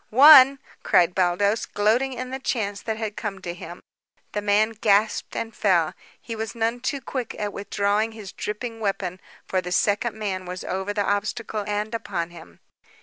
"One!" cried Baldos, gloating in the chance that had come to him. The man gasped and fell. He was none too quick in withdrawing his dripping weapon, for the second man was over the obstacle and upon him.